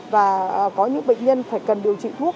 và có những bệnh nhân phải cần điều trị thuốc